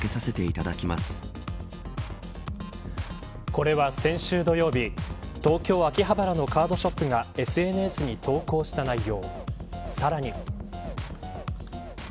これは、先週土曜日東京、秋葉原のカードショップがＳＮＳに投稿した内容。